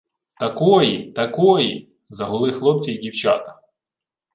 — Такої! Такої! — загули хлопці й дівчата.